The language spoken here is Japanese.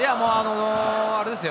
あれですよ。